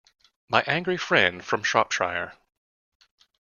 My angry friend from Shropshire!